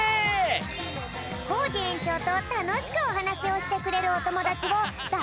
コージえんちょうとたのしくおはなしをしてくれるおともだちをだ